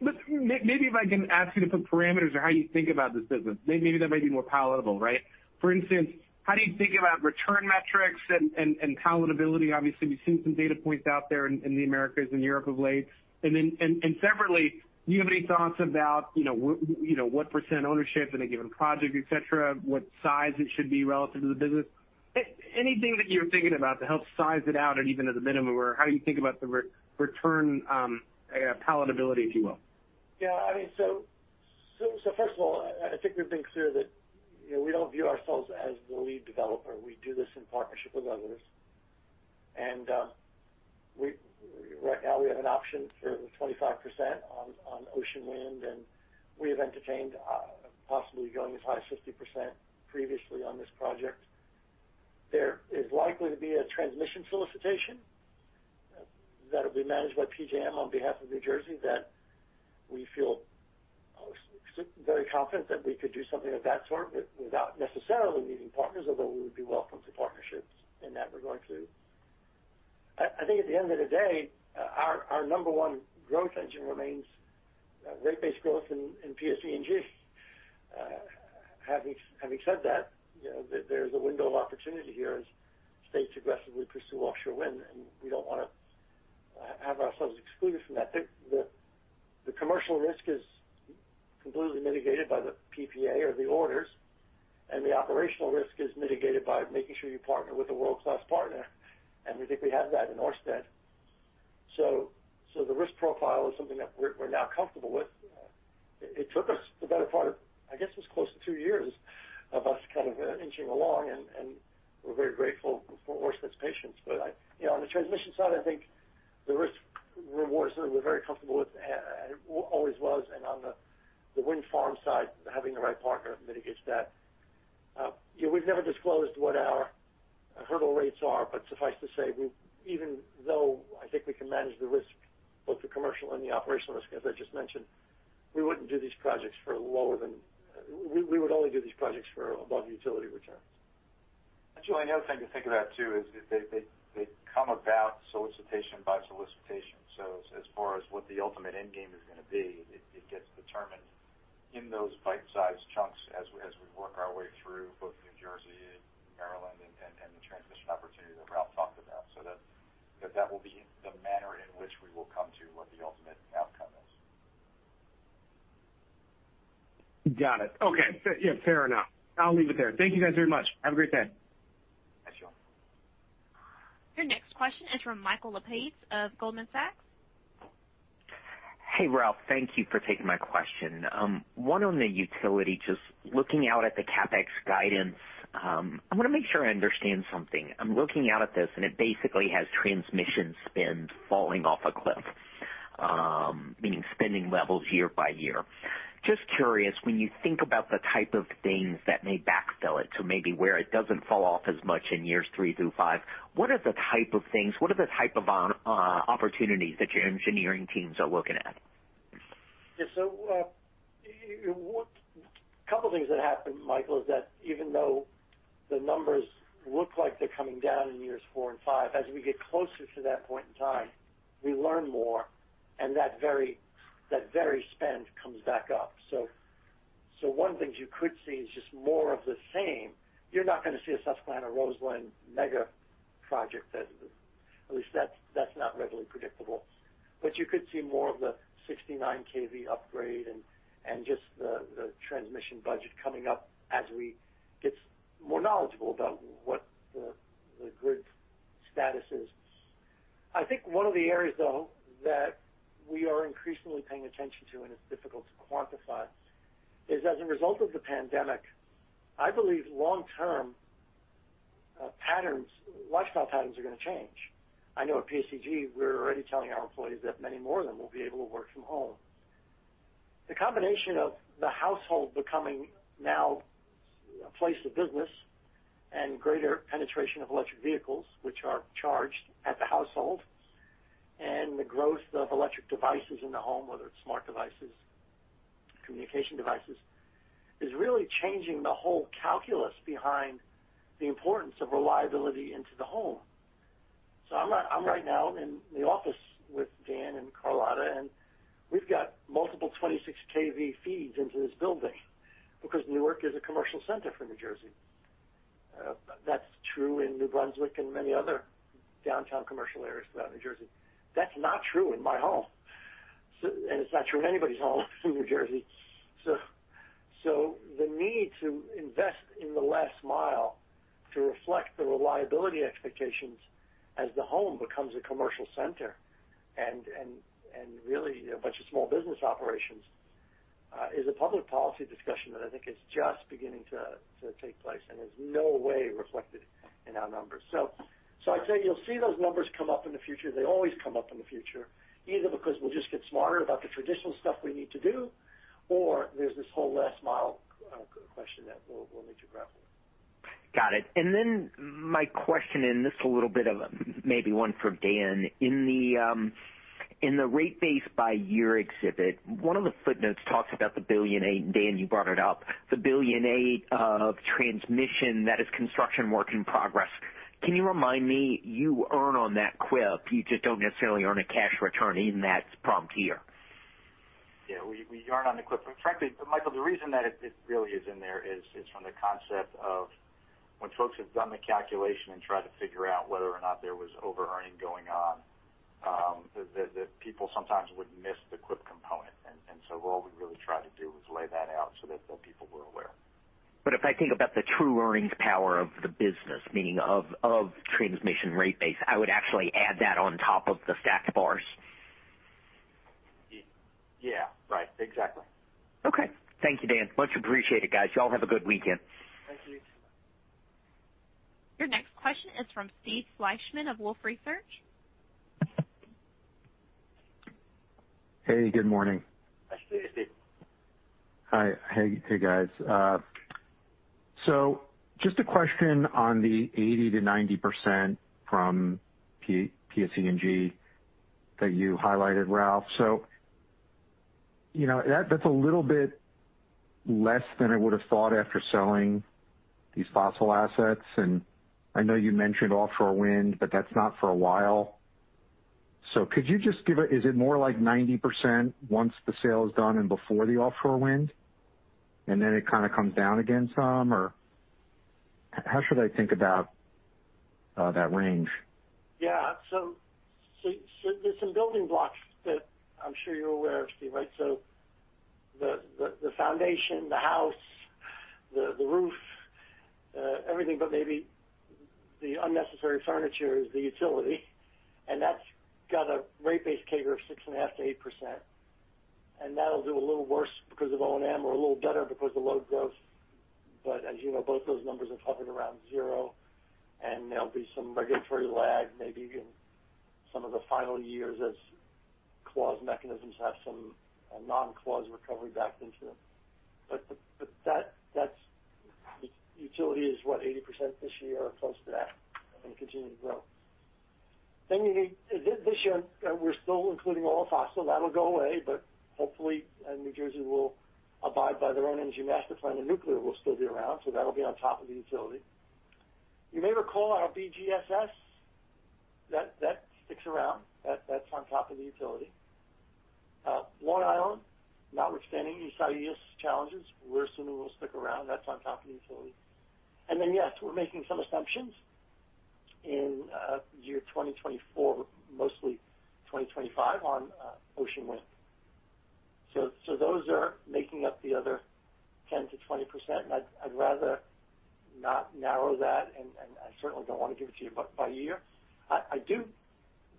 Maybe if I can ask you to put parameters around how you think about this business, maybe that might be more palatable, right? For instance, how do you think about return metrics and palatability? Obviously, we've seen some data points out there in the Americas and Europe of late. Separately, do you have any thoughts about what percentage ownership in a given project, et cetera, what size it should be relative to the business? Anything that you're thinking about to help size it out, even at a minimum, or how do you think about the return palatability, if you will? First of all, I think we've been clear that we don't view ourselves as the lead developer. Right now we have an option for the 25% on Ocean Wind, and we have entertained possibly going as high as 50% previously on this project. There is likely to be a transmission solicitation that'll be managed by PJM on behalf of New Jersey that we feel very confident that we could do something of that sort without necessarily needing partners, although we would be welcome to partnerships in that regard too. I think at the end of the day, our number one growth engine remains rate base growth in PSEG. Having said that, there's a window of opportunity here as states aggressively pursue offshore wind, and we don't want to have ourselves excluded from that. The commercial risk is completely mitigated by the PPA or the orders, and the operational risk is mitigated by making sure you partner with a world-class partner, and we think we have that in Ørsted. The risk profile is something that we're now comfortable with. It took us the better part of, I guess it was close to two years of us kind of inching along, and we're very grateful for Ørsted's patience. On the transmission side, I think the risk-reward we're very comfortable with, and it always was. On the wind farm side, having the right partner mitigates that. We've never disclosed what our hurdle rates are, but suffice to say, even though I think we can manage the risk, both the commercial and the operational risk, as I just mentioned, we would only do these projects for above utility returns. Joe, another thing to think about too is they come about solicitation by solicitation. As far as what the ultimate end game is going to be, it gets determined in those bite-sized chunks as we work our way through both New Jersey and Maryland and the transmission opportunity that Ralph talked about, so that that will be the manner in which we will come to what the ultimate outcome is. Got it. Okay. Yeah, fair enough. I'll leave it there. Thank you guys very much. Have a great day. Thanks, Joe. Your next question is from Michael Lapides of Goldman Sachs. Hey, Ralph. Thank you for taking my question. One on the utility, just looking out at the CapEx guidance, I want to make sure I understand something. I'm looking out at this, and it basically has transmission spend falling off a cliff, meaning spending levels year by year. Just curious, when you think about the type of things that may backfill it to maybe where it doesn't fall off as much in years three through five, what are the type of things, what are the type of opportunities that your engineering teams are looking at? A couple things that happened, Michael, is that even though the numbers look like they're coming down in years four and five, as we get closer to that point in time, we learn more, and that very spend comes back up. One of the things you could see is just more of the same. You're not going to see a Susquehanna-Roseland mega project. At least that's not readily predictable. But you could see more of the 69 kV upgrade and just the transmission budget coming up as we get more knowledgeable about what the grid status is. I think one of the areas, though, that we are increasingly paying attention to, and it's difficult to quantify, is as a result of the pandemic, I believe long-term lifestyle patterns are going to change. I know at PSEG, we're already telling our employees that many more of them will be able to work from home. The combination of the household becoming now a place of business and greater penetration of electric vehicles, which are charged at the household, and the growth of electric devices in the home, whether it's smart devices, communication devices, is really changing the whole calculus behind the importance of reliability into the home. I'm right now in the office with Dan and Carlotta, and we've got multiple 26 kV feeds into this building because Newark is a commercial center for New Jersey. That's true in New Brunswick and many other downtown commercial areas throughout New Jersey. That's not true in my home, and it's not true in anybody's home in New Jersey. The need to invest in the last mile to reflect the reliability expectations as the home becomes a commercial center and really a bunch of small business operations, is a public policy discussion that I think is just beginning to take place and is in no way reflected in our numbers. I'd say you'll see those numbers come up in the future. They always come up in the future, either because we'll just get smarter about the traditional stuff we need to do, or there's this whole last-mile question that we'll need to grapple with. Got it. My question, this is a little bit of maybe one for Dan. In the rate base by year exhibit, one of the footnotes talks about the $1.8 billion, Dan, you brought it up, the $1.8 billion of transmission that is construction work in progress. Can you remind me, you earn on that CWIP, you just don't necessarily earn a cash return in that prompt here? Yeah. We earn on the CWIP. Frankly, Michael, the reason that it really is in there is from the concept of when folks have done the calculation and tried to figure out whether or not there was over-earning going on, that people sometimes would miss the CWIP component. All we really tried to do was lay that out so that people were aware. If I think about the true earnings power of the business, meaning of transmission rate base, I would actually add that on top of the stacked bars. Yeah. Right. Exactly. Okay. Thank you, Dan. Much appreciated, guys. You all have a good weekend. Thank you. Your next question is from Steve Fleishman of Wolfe Research. Hey, good morning. Good morning, Steve. Hi. Hey guys. Just a question on the 80%-90% from PSE&G that you highlighted, Ralph. That's a little bit less than I would've thought after selling these fossil assets. I know you mentioned offshore wind, but that's not for a while. Could you just give, is it more like 90% once the sale is done and before the offshore wind, and then it kind of comes down again some, or how should I think about that range? Yeah. There's some building blocks that I'm sure you're aware of, Steve, right? The foundation, the house, the roof, everything but maybe the unnecessary furniture is the utility, and that's got a rate base CAGR of 6.5%-8%. That'll do a little worse because of O&M or a little better because of load growth. As you know, both those numbers have hovered around zero, and there'll be some regulatory lag maybe in some of the final years as clause mechanisms have some non-clause recovery backed into them. That utility is, what, 80% this year or close to that and continuing to grow. You need this year, we're still including all of fossil. That'll go away, but hopefully, New Jersey will abide by their own Energy Master Plan and nuclear will still be around. That'll be on top of the utility. You may recall our BGSS. That sticks around. That's on top of the utility. Long Island, not withstanding the Isaias challenges, we're assuming will stick around. That's on top of the utility. Then, yes, we're making some assumptions in year 2024, mostly 2025 on Ocean Wind. Those are making up the other 10%-20%, and I'd rather not narrow that and I certainly don't want to give it to you by year. I do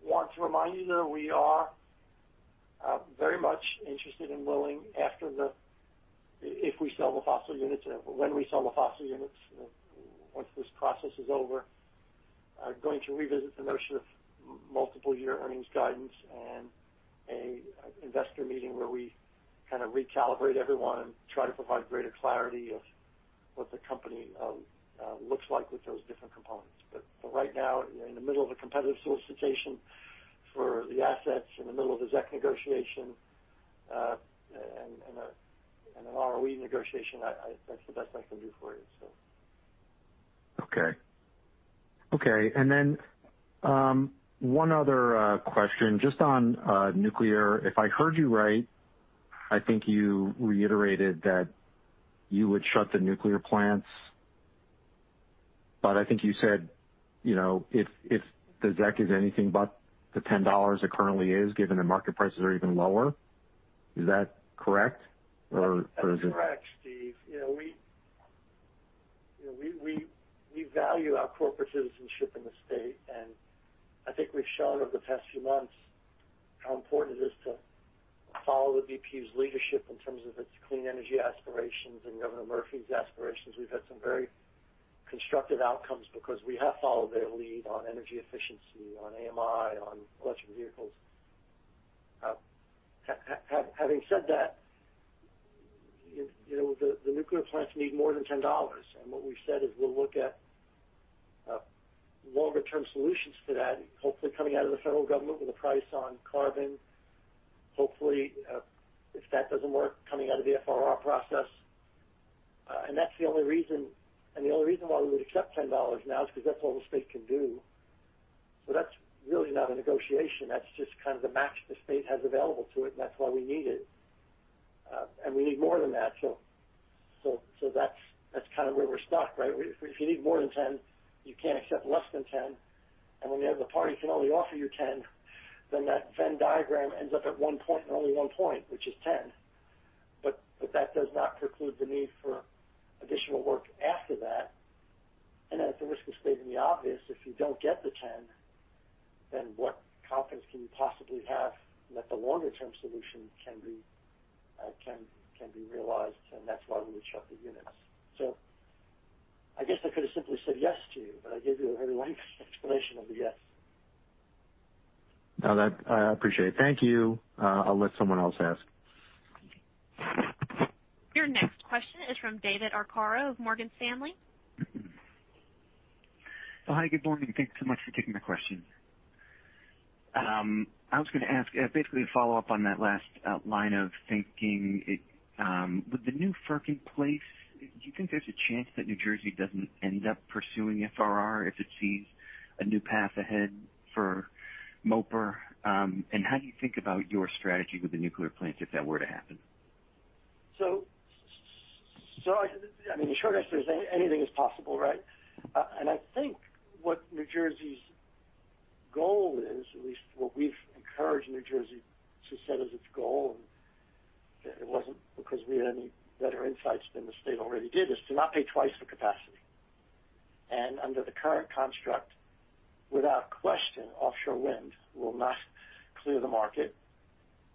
want to remind you, though, we are very much interested and willing if we sell the fossil units, when we sell the fossil units, once this process is over, are going to revisit the notion of multiple year earnings guidance and a investor meeting where we kind of recalibrate everyone and try to provide greater clarity of what the company looks like with those different components. For right now, in the middle of a competitive solicitation for the assets, in the middle of a ZEC negotiation, and an ROE negotiation, that's the best I can do for you. Okay. One other question just on nuclear. If I heard you right, I think you reiterated that you would shut the nuclear plants, but I think you said, if the ZEC is anything but the $10 it currently is, given the market prices are even lower. Is that correct? That's correct, Steve. We value our corporate citizenship in the state. I think we've shown over the past few months how important it is to follow the BPU's leadership in terms of its clean energy aspirations and Phil Murphy's aspirations. We've had some very constructive outcomes because we have followed their lead on energy efficiency, on AMI, on electric vehicles. Having said that, the nuclear plants need more than $10. What we've said is we'll look at longer-term solutions for that, hopefully coming out of the federal government with a price on carbon. Hopefully, if that doesn't work, coming out of the FRR process. The only reason why we would accept $10 now is because that's all the state can do. That's really not a negotiation. That's just kind of the max the state has available to it, and that's why we need it. We need more than that. That's kind of where we're stuck, right? If you need more than 10, you can't accept less than 10. When the other party can only offer you 10, then that Venn diagram ends up at one point and only one point, which is 10. That does not preclude the need for additional work after that. At the risk of stating the obvious, if you don't get the 10, then what confidence can you possibly have that the longer-term solution can be realized? That's why we would shut the units. I guess I could have simply said yes to you, but I gave you a very lengthy explanation of the yes. No, that I appreciate. Thank you. I'll let someone else ask. Your next question is from David Arcaro of Morgan Stanley. Oh, hi. Good morning. Thanks so much for taking the question. I was going to ask basically a follow-up on that last line of thinking. With the new FERC in place, do you think there's a chance that New Jersey doesn't end up pursuing FRR if it sees a new path ahead for MOPR? How do you think about your strategy with the nuclear plant if that were to happen? The short answer is anything is possible, right? I think what New Jersey's goal is, at least what we've encouraged New Jersey to set as its goal, and it wasn't because we had any better insights than the state already did, is to not pay twice for capacity. Under the current construct, without question, offshore wind will not clear the market.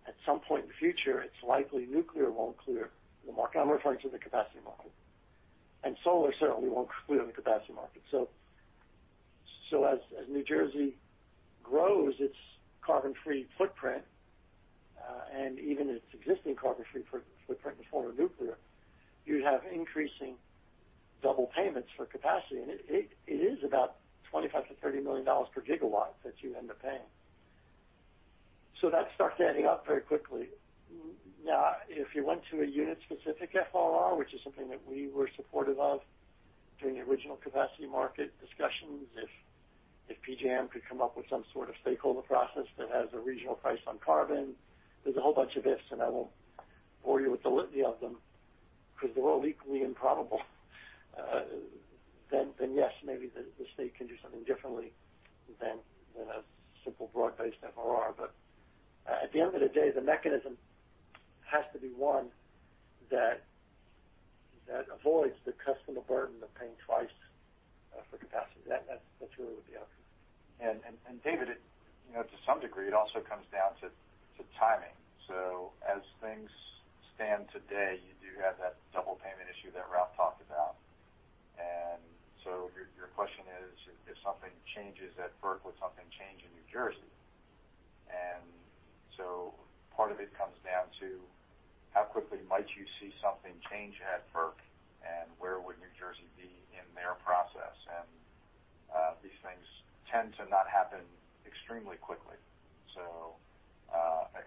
At some point in the future, it's likely nuclear won't clear the market. I'm referring to the capacity market. Solar certainly won't clear the capacity market. As New Jersey grows its carbon-free footprint, and even its existing carbon-free footprint in the form of nuclear, you'd have increasing double payments for capacity. It is about $25 million-$30 million per gigawatt that you end up paying. That starts adding up very quickly. If you went to a unit specific FRR, which is something that we were supportive of during the original capacity market discussions, if PJM could come up with some sort of stakeholder process that has a regional price on carbon, there's a whole bunch of ifs, and I won't bore you with the litany of them because they're all equally improbable. Yes, maybe the state can do something differently than a simple broad-based FRR. At the end of the day, the mechanism has to be one that avoids the customer burden of paying twice for capacity. That's really the outcome. David, to some degree, it also comes down to timing. As things stand today, you do have that double payment issue that Ralph talked about. Your question is, if something changes at FERC, would something change in New Jersey? Part of it comes down to how quickly might you see something change at FERC, and where would New Jersey be in their process? These things tend to not happen extremely quickly.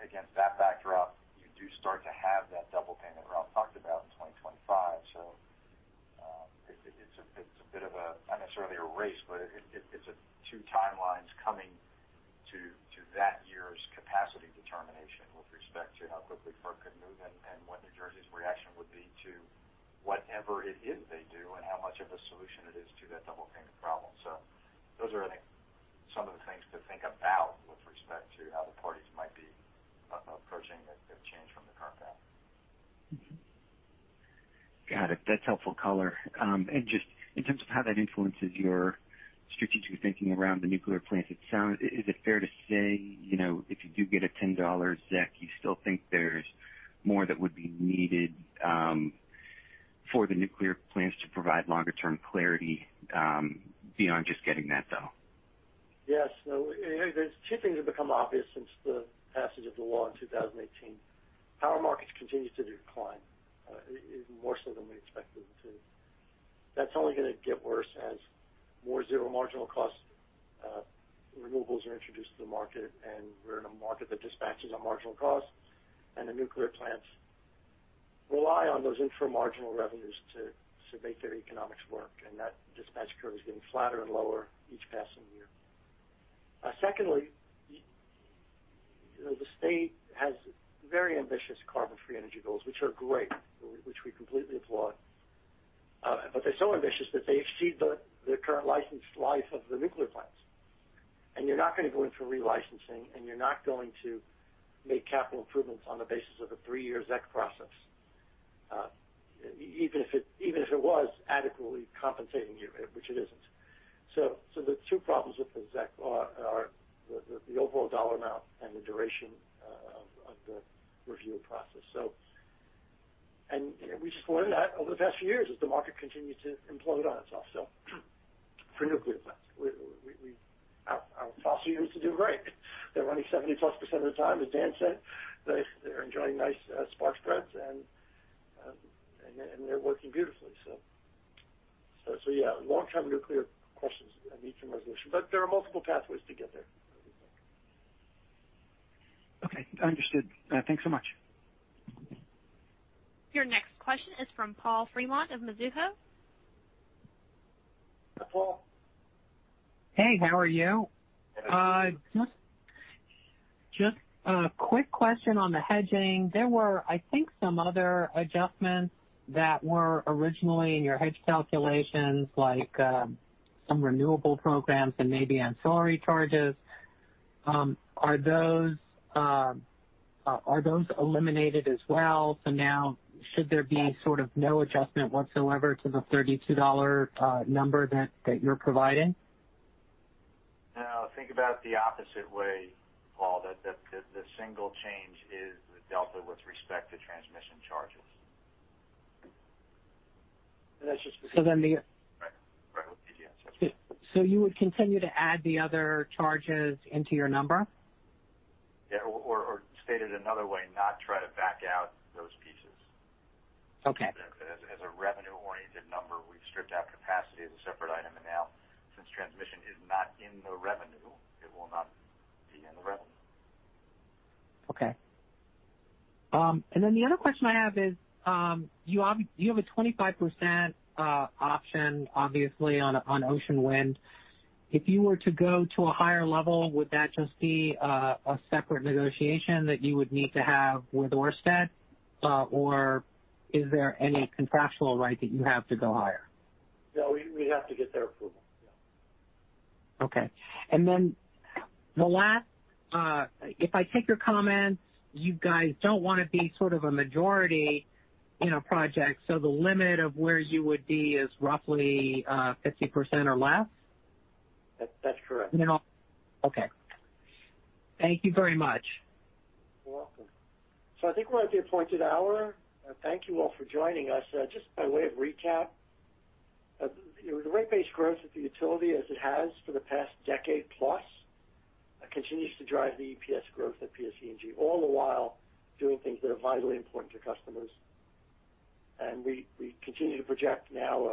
Against that backdrop, you do start to have that double payment Ralph talked about in 2025. It's a bit of a, not necessarily a race, but it's two timelines coming to that year's capacity determination with respect to how quickly FERC could move and what New Jersey's reaction would be to whatever it is they do and how much of a solution it is to that double payment problem. Those are, I think, some of the things to think about with respect to how the parties might be approaching a change from the current path. Got it. That's helpful color. Just in terms of how that influences your strategic thinking around the nuclear plants, is it fair to say, if you do get a $10 ZEC, you still think there's more that would be needed for the nuclear plants to provide longer term clarity, beyond just getting that, though? Yes. Two things have become obvious since the passage of the law in 2018. Power markets continue to decline, more so than we expected them to. That's only going to get worse as more zero marginal cost renewables are introduced to the market. We're in a market that dispatches on marginal costs, and the nuclear plants rely on those intramarginal revenues to make their economics work, and that dispatch curve is getting flatter and lower each passing year. Secondly, the state has very ambitious carbon-free energy goals, which are great, which we completely applaud. They're so ambitious that they exceed the current licensed life of the nuclear plants. You're not going to go in for re-licensing, and you're not going to make capital improvements on the basis of a three-year ZEC process. Even if it was adequately compensating you, which it isn't. The two problems with the ZEC are the overall dollar amount and the duration of the review process. We just learned that over the past few years as the market continued to implode on itself for nuclear plants. Our fossil units are doing great. They're running 70+% of the time, as Dan said. They're enjoying nice spark spreads, and they're working beautifully. Yeah, long-term nuclear questions need some resolution, but there are multiple pathways to get there, I think. Okay, understood. Thanks so much. Your next question is from Paul Fremont of Mizuho. Hi, Paul. Hey, how are you? Good. Just a quick question on the hedging. There were, I think, some other adjustments that were originally in your hedge calculations, like some renewable programs and maybe ancillary charges. Are those eliminated as well? Now should there be sort of no adjustment whatsoever to the $32 number that you're providing? No, think about it the opposite way, Paul, that the single change is the delta with respect to transmission charges. That's just specific. So then the- Right. With PJM. You would continue to add the other charges into your number? Yeah, stated another way, not try to back out those pieces. Okay. As a revenue-oriented number, we've stripped out capacity as a separate item. Now since transmission is not in the revenue, it will not be in the revenue. Okay. The other question I have is, you have a 25% option, obviously, on Ocean Wind. If you were to go to a higher level, would that just be a separate negotiation that you would need to have with Ørsted? Is there any contractual right that you have to go higher? No, we have to get their approval. Yeah. Okay. Then the last, if I take your comments, you guys don't want to be sort of a majority project. The limit of where you would be is roughly 50% or less. That's correct. Okay. Thank you very much. You're welcome. I think we're at the appointed hour. Thank you all for joining us. Just by way of recap, the rate base growth of the utility as it has for the past decade plus continues to drive the EPS growth at PSEG, all the while doing things that are vitally important to customers. We continue to project now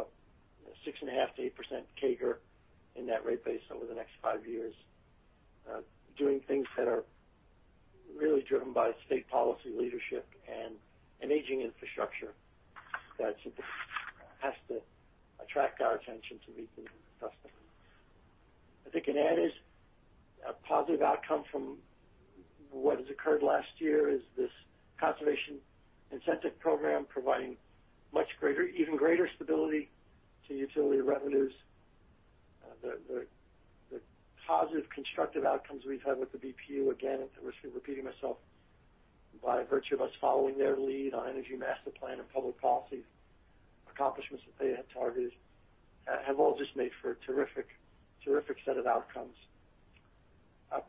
a 6.5%-8% CAGR in that rate base over the next five years, doing things that are really driven by state policy leadership and an aging infrastructure that has to attract our attention to meet the needs of customers. I think an added positive outcome from what has occurred last year is this Conservation Incentive Program providing even greater stability to utility revenues. The positive, constructive outcomes we've had with the BPU, again, I'm repeating myself, by virtue of us following their lead on Energy Master Plan and public policy accomplishments that they had targeted, have all just made for a terrific set of outcomes.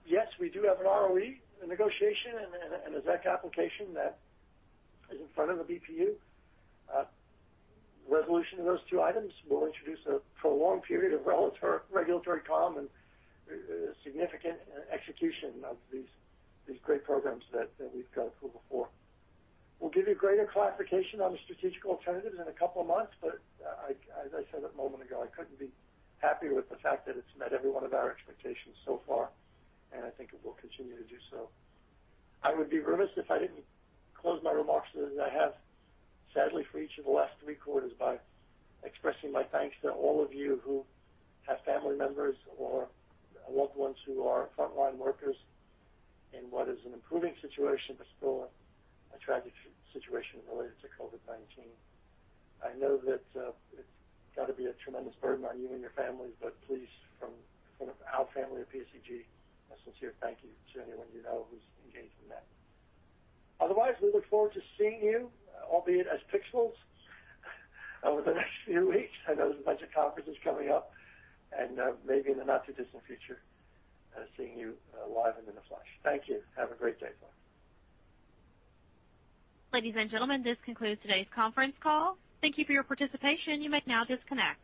Yes, we do have an ROE, a negotiation, and a ZEC application that is in front of the BPU. Resolution of those two items will introduce a prolonged period of regulatory calm and significant execution of these great programs that we've got approval for. We'll give you greater clarification on the strategic alternatives in a couple of months. As I said a moment ago, I couldn't be happier with the fact that it's met every one of our expectations so far, and I think it will continue to do so. I would be remiss if I didn't close my remarks as I have sadly for each of the last three quarters by expressing my thanks to all of you who have family members or loved ones who are frontline workers in what is an improving situation but still a tragic situation related to COVID-19. I know that it's got to be a tremendous burden on you and your families, but please, from our family at PSEG, a sincere thank you to anyone you know who's engaged in that. Otherwise, we look forward to seeing you, albeit as pixels, over the next few weeks. I know there's a bunch of conferences coming up, and maybe in the not-too-distant future, seeing you live and in the flesh. Thank you. Have a great day. Bye. Ladies and gentlemen, this concludes today's conference call. Thank you for your participation. You may now disconnect.